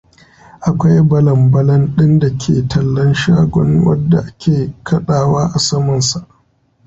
Akwai balan-balan ɗin dake tallan shagon wadda ke kaɗawa a saman sa.